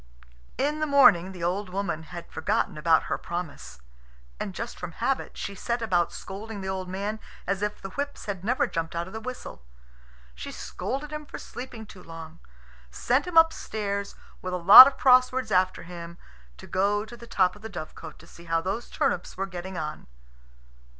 In the morning the old woman had forgotten about her promise. And just from habit, she set about scolding the old man as if the whips had never jumped out of the whistle. She scolded him for sleeping too long, sent him upstairs, with a lot of cross words after him, to go to the top of the dovecot to see how those turnips were getting on.